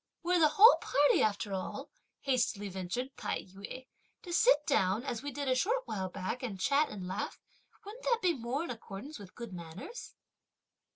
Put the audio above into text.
"Were the whole party after all," hastily ventured Tai yü, "to sit down, as we did a short while back and chat and laugh; wouldn't that be more in accordance with good manners?"